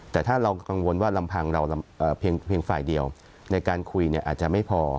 แต่ถ้าเรากังวลว่าลำพังเราเพียงฝ่ายเดียวในการคุยอาจจะไม่พอ